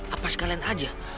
apa sekalian aja